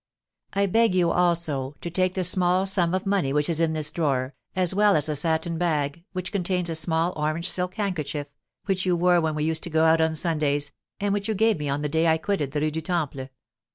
I beg you, also, to take the small sum of money which is in this drawer, as well as a satin bag, which contains a small orange silk handkerchief, which you wore when we used to go out on Sundays, and which you gave me on the day I quitted the Rue du Temple.